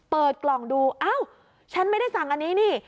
เปิดกล่องดูอ้าวฉันไม่ได้สั่งอันนี้นี่